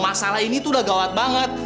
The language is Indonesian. masalah ini tuh udah gawat banget